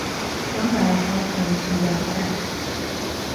Fungi help them to that effect.